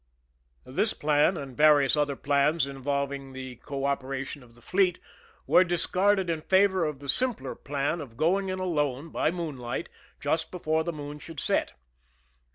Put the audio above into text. This plan, and various other plans involving the cooperation of the fleet, were discarded in favor of the simpler plan of going in alone by moonlight, just before the moon should set.